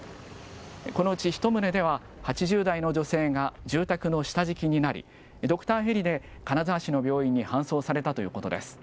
このうち１棟では８０代の女性が住宅の下敷きになり、ドクターヘリで金沢市の病院に搬送されたということです。